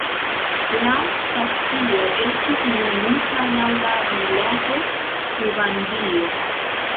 La stacio estis nomita laŭ la vilaĝo Krivandino.